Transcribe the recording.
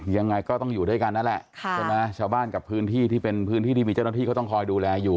ยังไงก็ต้องอยู่ด้วยกันนั่นแหละใช่ไหมชาวบ้านกับพื้นที่ที่เป็นพื้นที่ที่มีเจ้าหน้าที่เขาต้องคอยดูแลอยู่